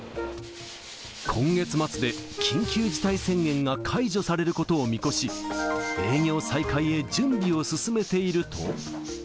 今月末で緊急事態宣言が解除されることを見越し、営業再開へ準備を進めていると。